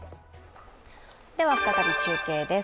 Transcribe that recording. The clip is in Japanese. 再び中継です。